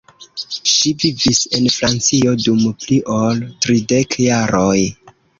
Ŝi vivis en Francio dum pli ol tridek jaroj.